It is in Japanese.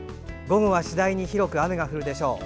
午後は次第に広く雨が降るでしょう。